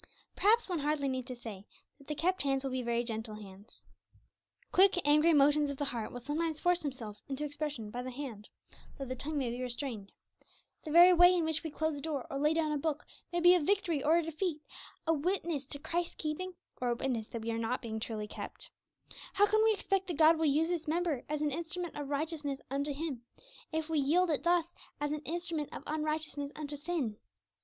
Perhaps one hardly needs to say that the kept hands will be very gentle hands. Quick, angry motions of the heart will sometimes force themselves into expression by the hand, though the tongue may be restrained. The very way in which we close a door or lay down a book may be a victory or a defeat, a witness to Christ's keeping or a witness that we are not truly being kept. How can we expect that God will use this member as an instrument of righteousness unto Him, if we yield it thus as an instrument of unrighteousness unto sin?